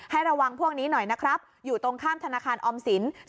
ระวังพวกนี้หน่อยนะครับอยู่ตรงข้ามธนาคารออมสิน